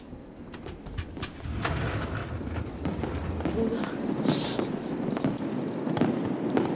うわ！